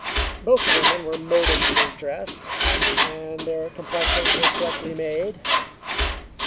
Both the women were modishly dressed, and their complexions were correctly made.